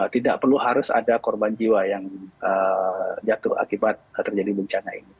tidak perlu harus ada korban jiwa yang jatuh akibat terjadi bencana ini